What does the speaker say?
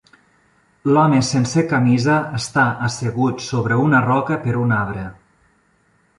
L'home sense camisa està assegut sobre una roca per un arbre.